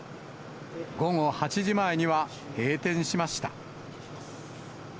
午後８時前には、閉店しました。